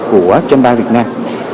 của chăm ba việt nam